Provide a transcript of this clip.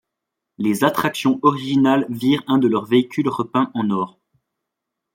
Les attractions originales virent un de leurs véhicules repeints en or.